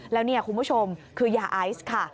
แล้วนี่คุณผู้ชมคือยาไอซ์ค่ะ